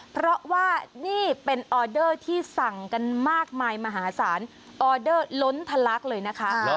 เพราะว่านี่เป็นออเดอร์ที่สั่งกันมากมายมหาศาลออเดอร์ล้นทะลักเลยนะคะ